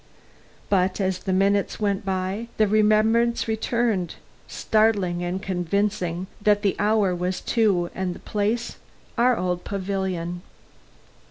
But as the minutes went by, the remembrance returned, startling and convincing, that the hour was two and the place our old pavilion.